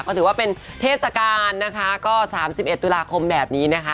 ก็ถือว่าเป็นเทศกาลนะคะก็๓๑ตุลาคมแบบนี้นะคะ